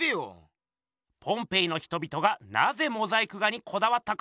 ポンペイの人々がなぜモザイク画にこだわったか？